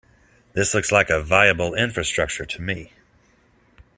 This looks like a viable infrastructure to me.